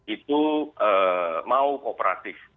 itu mau kooperatif